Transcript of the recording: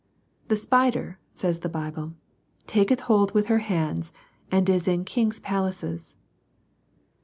" The spider," says the Bible, " taketh hold with her hands, and is in king's palaces."